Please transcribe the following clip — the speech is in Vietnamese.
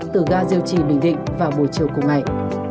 từ ga diêu trì bình định vào buổi chiều cùng ngày